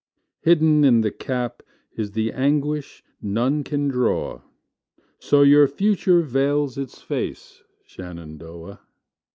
Hidden in the cap Is the anguish none can draw; So your future veils its face, Shenandoah!